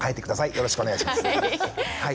よろしくお願いします。